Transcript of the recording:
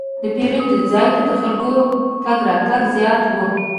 د پیرود ځای ته د خلکو تګ راتګ زیات و.